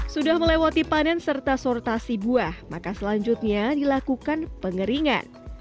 sudah melewati panen serta sortasi buah maka selanjutnya dilakukan pengeringan